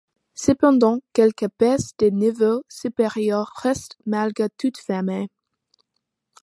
Cependant quelques pièces des niveaux supérieurs restent malgré tout fermées.